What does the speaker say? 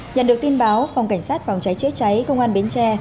nhận được tin báo phòng cảnh sát phòng cháy chữa cháy công an bến tre